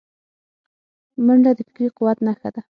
منډه د فکري قوت نښه ده